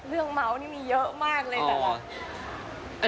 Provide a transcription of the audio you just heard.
เรื่องเมาส์นี่มีเยอะมากเลยแต่แบบ